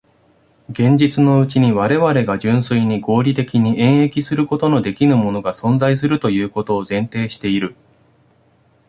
現実のうちに我々が純粋に合理的に演繹することのできぬものが存在するということを前提している。